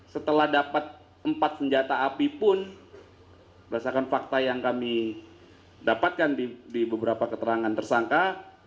setelah dapat empat senjata api pun berdasarkan fakta yang kami dapatkan di beberapa keterangan tersangka